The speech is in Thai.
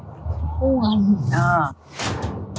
คู่เงิน